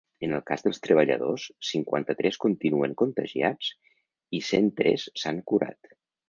En el cas dels treballadors, cinquanta-tres continuen contagiats i cent tres s’han curat.